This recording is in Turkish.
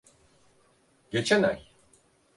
Geçen ay.